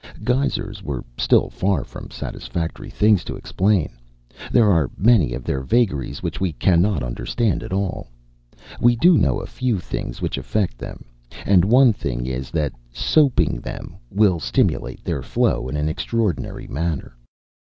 Geysers were still far from satisfactory things to explain. There are many of their vagaries which we cannot understand at all. We do know a few things which affect them, and one thing is that "soaping" them will stimulate their flow in an extraordinary manner.